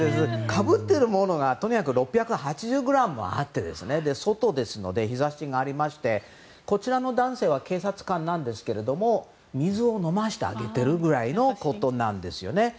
かぶっているものが６８０ｇもあって外ですので日差しがありましてこちらの男性は警察官なんですが水を飲ませてあげているぐらいのことなんです。